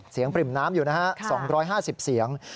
ปริ่มน้ำอยู่นะฮะ๒๕๐เสียง